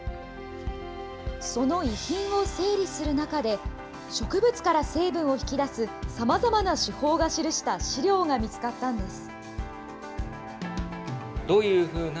その遺品を整理する中で、植物から成分を引き出すさまざまな手法が記した資料が見つかったんです。